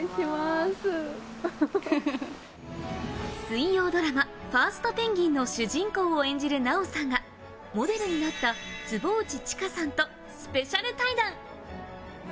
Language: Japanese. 水曜ドラマ『ファーストペンギン！』の主人公を演じる奈緒さんがモデルになった坪内知佳さんとスペシャル対談。